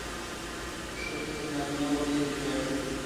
ښځې تر نارینه وو ډېرې ژاړي.